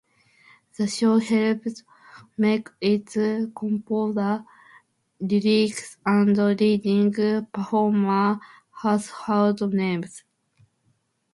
The show helped make its composer, lyricist and leading performers household names.